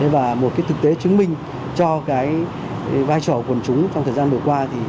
và một thực tế chứng minh cho vai trò quần chúng trong thời gian vừa qua